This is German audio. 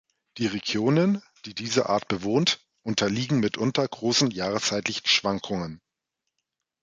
Die Regionen, die diese Art bewohnt, unterliegen mitunter großen jahreszeitlichen Schwankungen.